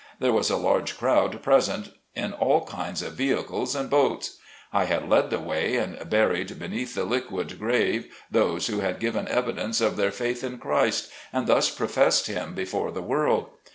There was a large crowd present in all kinds of vehicles and boats. I had led the way and buried beneath the liquid 52 SLAVE CABIN TO PULPIT. grave, those who had given evidence of their faith in Christ, and thus professed him before the world.